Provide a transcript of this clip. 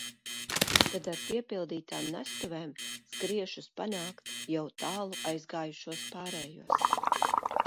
Tad ar piepildītām nestuvām skriešus panākt jau tālu aizgājušos pārējos.